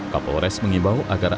kapolres mengimbau agar